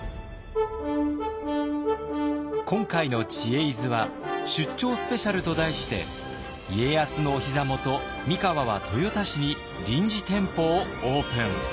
今回の「知恵泉」は「出張スペシャル」と題して家康のおひざもと三河は豊田市に臨時店舗をオープン。